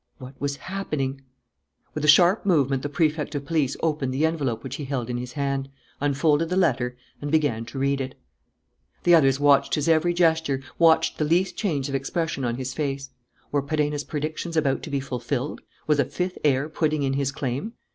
What was happening? With a sharp movement the Prefect of Police opened the envelope which he held in his hand, unfolded the letter and began to read it. The others watched his every gesture, watched the least change of expression on his face. Were Perenna's predictions about to be fulfilled? Was a fifth heir putting in his claim?